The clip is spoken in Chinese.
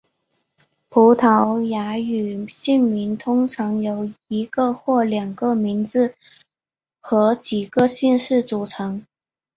葡萄牙语姓名通常由一个或两个名字和几个姓氏组成。